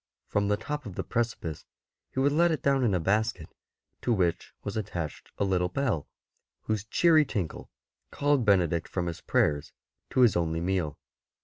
From the top of the precipice he would let it down in a basket, to which was attached a little bell, whose cheery tinkle called Benedict from his prayers to his only meal.